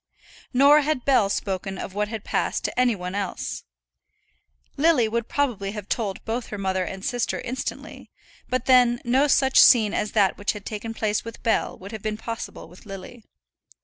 Nor had Bell spoken of what had passed to any one else. Lily would probably have told both her mother and sister instantly; but then no such scene as that which had taken place with Bell would have been possible with Lily.